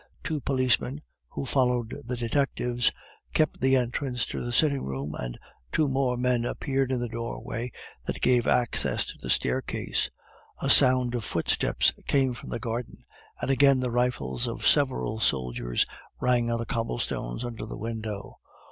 Two policemen, who followed the detectives, kept the entrance to the sitting room, and two more men appeared in the doorway that gave access to the staircase. A sound of footsteps came from the garden, and again the rifles of several soldiers rang on the cobblestones under the window.